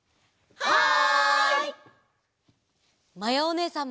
はい。